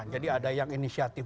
jadi ada yang inisiatif